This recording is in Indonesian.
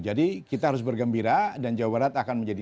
jadi kita harus bergembira